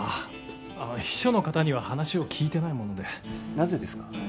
あっ秘書の方には話を聞いてないものでなぜですか？